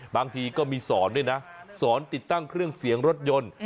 บางทีก็มีสอนด้วยนะสอนติดตั้งเครื่องเสียงรถยนต์